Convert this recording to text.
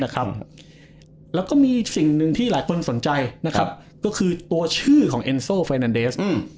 แล้วก็มีสิ่งหนึ่งที่หลายคนสนใจนะครับก็คือตัวชื่อของเอ็นโซไฟนันเดส